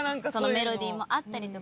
メロディーもあったりとか。